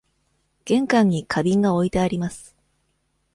玄関に花瓶が置いてあります。